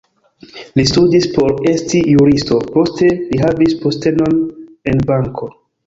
Li studis por esti juristo, poste li havis postenon en banko.